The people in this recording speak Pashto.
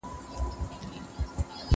ما مخکي د سبا لپاره د يادښتونه بشپړي کړې!؟